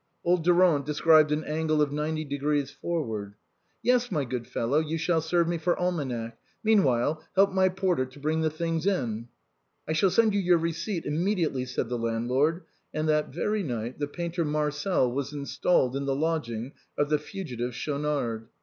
Old Durand described an angle of ninety degrees for ward. " Yes, my good fellow, you shall serve me for almanac. Meanwhile, help my porter to bring the things in." " I shall send you your receipt immediately," said the landlord; and that very night the painter Marcel was in stalled in the lodging of the fugitive Schaunard.